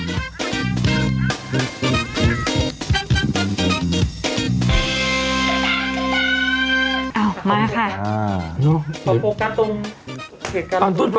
อ้ามาแล้วค่ะ